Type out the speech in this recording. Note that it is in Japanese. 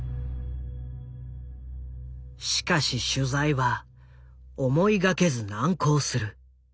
しかし取材は思いがけず難航する。